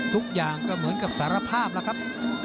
ทุกอย่างก็เหมือนกับสารภาพแล้วครับ